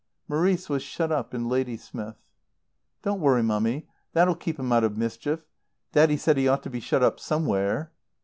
Maurice was shut up in Ladysmith. "Don't worry, Mummy. That'll keep him out of mischief. Daddy said he ought to be shut up somewhere."